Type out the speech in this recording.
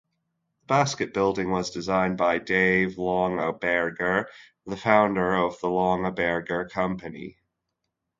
The Basket Building was designed by Dave Longaberger, the founder of the Longaberger Company.